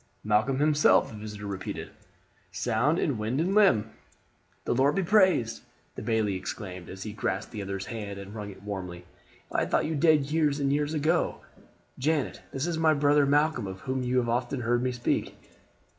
"Malcolm himself," the visitor repeated, "sound in wind and limb." "The Lord be praised!" the bailie exclaimed as he grasped the other's hand and wrung it warmly. "I had thought you dead years and years ago. Janet, this is my brother Malcolm of whom you have often heard me speak."